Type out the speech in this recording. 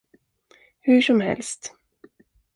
Hur som helst.